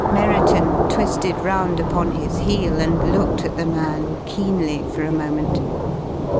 Merriton twisted round upon his heel and looked at the man keenly for a moment.